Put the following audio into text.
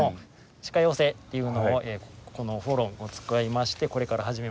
鹿寄せっていうのをこのホルンを使いましてこれから始めます。